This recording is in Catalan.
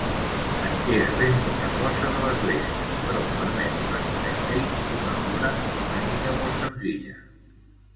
En queda ben poca cosa, de l'església, però permet reconèixer-hi una obra romànica molt senzilla.